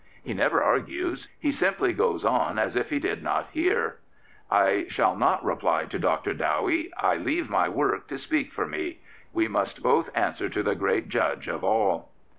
He never argues: he simply goes on as if he did not hear. I shall not reply to Dr. Dowie. I leave my work to speak for me. We must both answer to the Great Judge of all.''